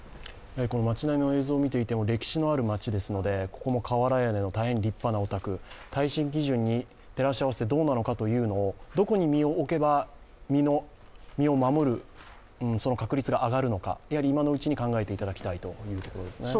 町並みの映像を見ていても、歴史のある町ですので、こちらも瓦屋根の大変立派なお宅、耐震基準に照らし合わせてどうなのかというのを、どこに身を置けば身を守る確率が上がるのか、今のうちに考えていただきたいということですね。